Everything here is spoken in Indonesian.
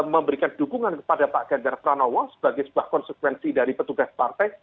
memberikan dukungan kepada pak ganjar pranowo sebagai sebuah konsekuensi dari petugas partai